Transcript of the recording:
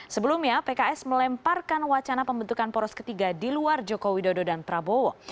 sebelumnya pks melemparkan wacana pembentukan poros ketiga di luar jokowi dodo dan prabowo